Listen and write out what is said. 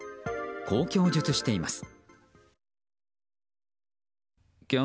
こう供述しています。